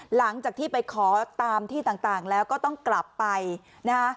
หลังจากที่ไปขอตามที่ต่างแล้วก็ต้องกลับไปนะฮะ